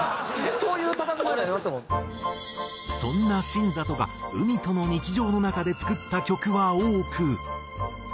そんな新里が海との日常の中で作った曲は多く。